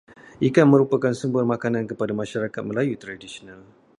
Ikan merupakan sumber makanan kepada masyarakat Melayu tradisional.